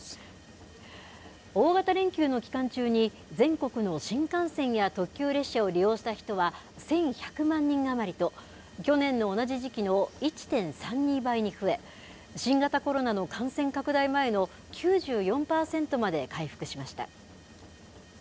大型連休の期間中に、全国の新幹線や特急列車を利用した人は１１００万人余りと、去年の同じ時期の１．３２倍に増え、新型コロナの感染拡大前の９４％まで回復しました。